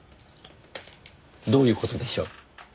どういう事でしょう？